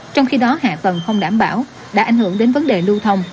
trong khi đó hạ tầng không đảm bảo đã ảnh hưởng đến vấn đề lưu thông